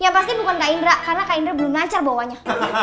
ya pasti bukan kak indra karena kak indra belum lancar bawanya